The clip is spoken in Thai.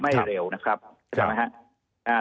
ไม่เร็วนะครับใช่ไหมครับ